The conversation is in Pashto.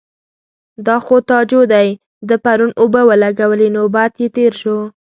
_دا خو تاجو دی، ده پرون اوبه ولګولې. نوبت يې تېر شو.